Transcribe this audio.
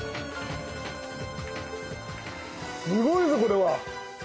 すごいぞこれは！